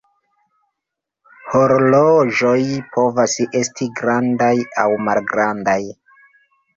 Horloĝoj povas esti grandaj aŭ malgrandaj.